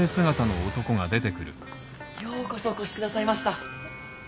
ようこそお越しくださいました。